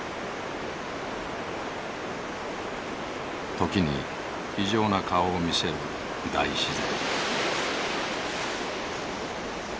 時に非情な顔を見せる大自然。